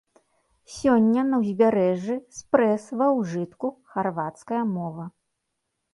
Сёння на ўзбярэжжы спрэс ва ўжытку харвацкая мова.